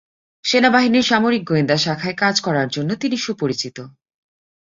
সেনাবাহিনীর সামরিক গোয়েন্দা শাখায় কাজ করার জন্য তিনি সুপরিচিত।